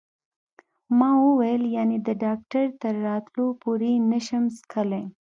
ما وویل: یعنې د ډاکټر تر راتلو پورې یې نه شم څښلای؟